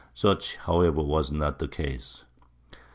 Such, however, was not the case.